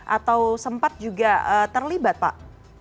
atau sempat juga terlibat pak